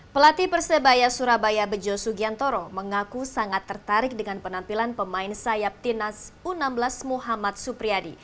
pelatih persebaya surabaya bejo sugiantoro mengaku sangat tertarik dengan penampilan pemain sayap timnas u enam belas muhammad supriyadi